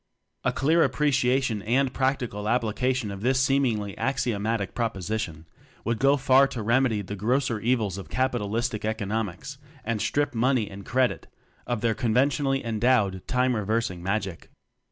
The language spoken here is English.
A clear appreciation and practical application of this seemingly axiom atic proposition would go far to rem edy the grosser evils of capitalistic economics, and strip "money" and: "credit" of their conventionally en dowed time reversing magic.